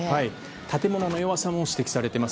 建物の弱さも指摘されています。